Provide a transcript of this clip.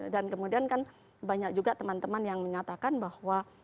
dan kemudian kan banyak juga teman teman yang menyatakan bahwa